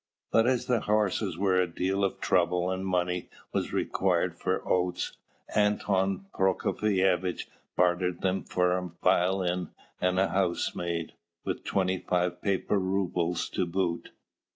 But as the horses were a deal of trouble and money was required for oats, Anton Prokofievitch bartered them for a violin and a housemaid, with twenty five paper rubles to boot.